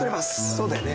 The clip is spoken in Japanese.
そうだよね。